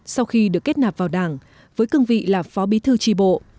sau khi được kết nạp vào đảng với cương vị là phó bí thư tri bộ